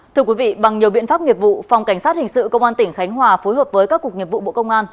thưa quý vị bằng nhiều biện pháp nghiệp vụ phòng cảnh sát hình sự công an tỉnh khánh hòa phối hợp với các cục nghiệp vụ bộ công an